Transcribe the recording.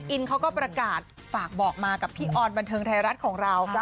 อินเขาก็ประกาศฝากบอกมากับพี่ออนบันเทิงไทยรัฐของเรา